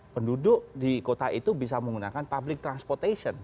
penduduk di kota itu bisa menggunakan public transportation